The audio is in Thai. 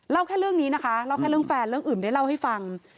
แค่เรื่องนี้นะคะเล่าแค่เรื่องแฟนเรื่องอื่นได้เล่าให้ฟัง